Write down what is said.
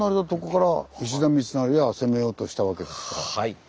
はい。